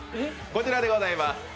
こちらでございます。